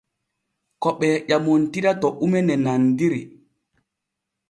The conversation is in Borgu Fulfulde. Ko ɓee ƴamontira to ume ne nandiri.